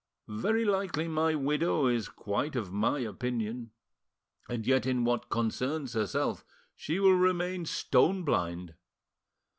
Very likely my widow is quite of my opinion, and yet in what concerns herself she will remain stone blind.